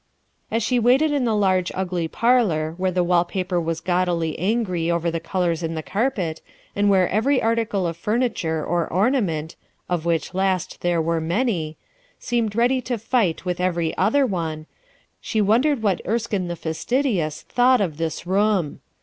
As she waited in the large ugly parlor, where the wall paper was gaudily angry over the colors in the carpet, and where every article of furniture or ornament — of which last there were many — seemed ready to fight with every other one, she wondered what Erskine the fastidious thought of this room.